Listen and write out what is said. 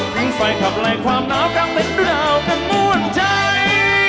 มีไฟขับไล่ความหนาวกลางเป็นเปล่ากันม่วนใจ